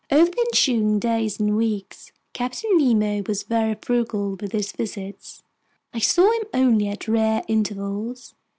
Over the ensuing days and weeks, Captain Nemo was very frugal with his visits. I saw him only at rare intervals.